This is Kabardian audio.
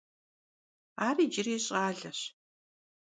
Ar yicıri ş'aleş.